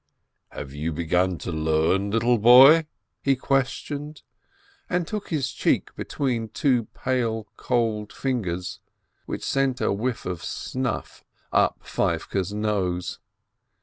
"Have you begun to learn, little boy?" he questioned, and took his cheek between two pale, cold fingers, which sent a whiff of snuff up Feivke's nose.